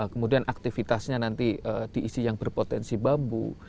kemudian aktivitasnya nanti diisi yang berpotensi bambu